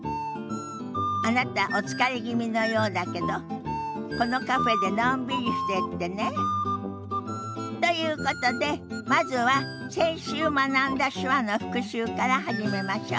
あなたお疲れ気味のようだけどこのカフェでのんびりしてってね。ということでまずは先週学んだ手話の復習から始めましょ。